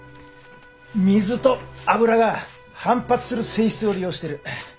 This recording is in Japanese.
水と油が反発する性質を利用してる。